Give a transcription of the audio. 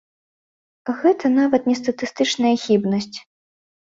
Гэта нават не статыстычная хібнасць.